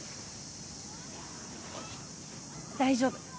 大丈夫。